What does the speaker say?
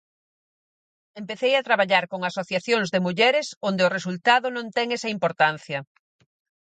Empecei a traballar con asociacións de mulleres onde o resultado non ten esa importancia.